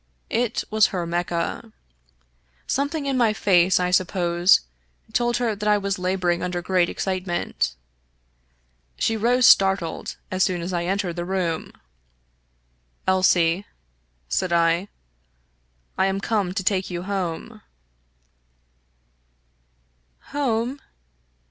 It was her Mecca. Something in my face, I suppose, told her that I was laboring under great excitement. She rose startled as soon as I entered the room. " Elsie," said I, " I am come to take you home." " Home